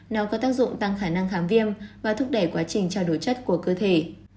nó có tác dụng tăng khả năng khám viêm và thúc đẩy quá trình trao đổi chất của cơ thể